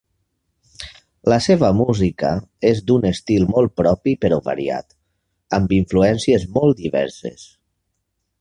La seva música és d’un estil molt propi però variat, amb influències molt diverses.